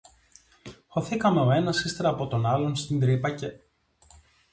Χωθήκαμε ο ένας ύστερα από τον άλλο στην τρύπα, και